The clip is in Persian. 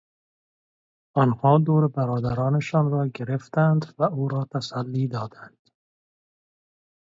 آنها دور برادرشان راگرفتند و او را تسلی دادند.